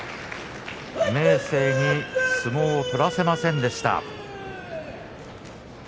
明生に相撲を取らせませんでした。